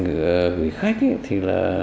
của du khách thì là